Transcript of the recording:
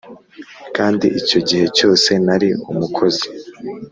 kandi icyo gihe cyose nari umukozi